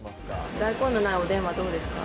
大根のないおでんはどうですか？